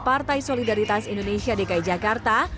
partai solidaritas indonesia dki jakarta